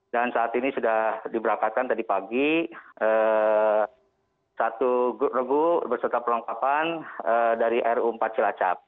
dan saat ini sudah diberakakan tadi pagi satu regu berserta perlengkapan dari ru empat cilacap